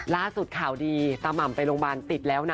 ล่าสุดข่าวดีตาม่ำไปโรงพยาบาลติดแล้วนะ